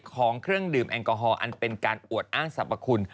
ของเครื่องดื่มแอลกอฮอลอันเป็นการอวดอ้างสรรพคุณ